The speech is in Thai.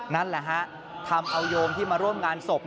นั่นแหละฮะทำเอาโยมที่มาร่วมงานศพ